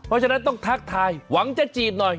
เพราะฉะนั้นต้องทักทายหวังจะจีบหน่อย